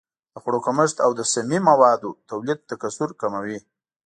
د خوړو کمښت او د سمي موادو تولید تکثر کموي.